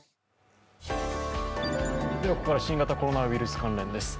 ここからは新型コロナウイルス関連です。